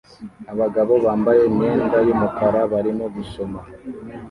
abagabo bambaye imyenda yumukara barimo gusoma